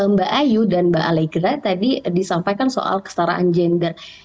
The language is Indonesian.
mbak ayu dan mbak alegra tadi disampaikan soal kestaraan gender